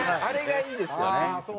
あれがいいですよね。